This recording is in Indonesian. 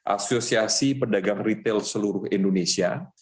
asosiasi pedagang retail seluruh indonesia